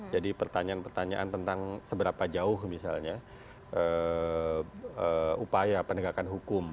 jadi pertanyaan pertanyaan tentang seberapa jauh misalnya upaya pendegakan hukum